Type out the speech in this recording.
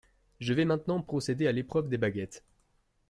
Je vais maintenant procéder à l’épreuve des baguettes!